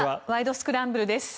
スクランブル」です。